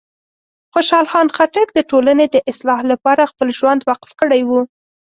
خوشحال خان خټک د ټولنې د اصلاح لپاره خپل ژوند وقف کړی و.